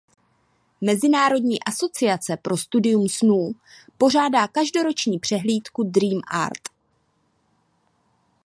Mezinárodní asociace pro studium snů pořádá každoroční přehlídku "dream art".